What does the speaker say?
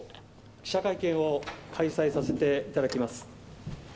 記者会見を開催させていただきます。